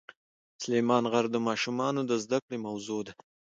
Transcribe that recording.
سلیمان غر د ماشومانو د زده کړې موضوع ده.